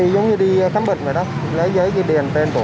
do từ ngày hai mươi ba tháng chín